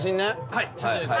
はい写真です